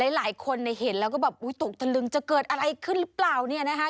หลายคนเห็นแล้วก็แบบอุ๊ยตกตะลึงจะเกิดอะไรขึ้นหรือเปล่าเนี่ยนะคะ